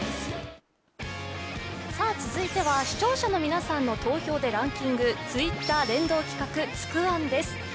続いては視聴者の皆さんの投票でランキング、Ｔｗｉｔｔｅｒ連動企画、「つくワン」です。